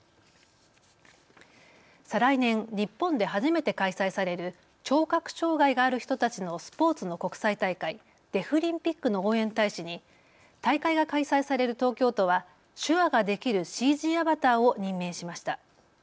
再来年、日本で初めて開催される聴覚障害がある人たちのスポーツの国際大会、デフリンピックの応援大使に大会が開催される東京都は手話ができるＣＧアバターを任命しました。